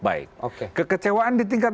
baik oke kekecewaan di tingkat